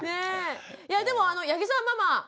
いやでも八木さんママ。